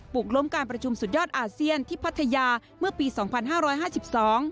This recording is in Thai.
กล้มการประชุมสุดยอดอาเซียนที่พัทยาเมื่อปีสองพันห้าร้อยห้าสิบสอง